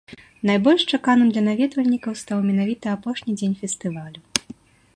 Найбольш чаканым для наведвальнікаў стаў менавіта апошні дзень фестывалю.